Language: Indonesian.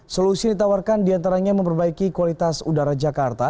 solusi ditawarkan diantaranya memperbaiki kualitas udara jakarta